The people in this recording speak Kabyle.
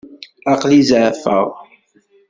Aql-i zeεfeɣ.